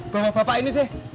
bawa bapak ini deh